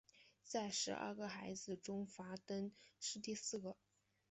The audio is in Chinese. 在十二个孩子中戈登是第四个。